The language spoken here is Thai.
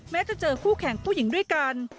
จะเจอคู่แข่งผู้หญิงด้วยกัน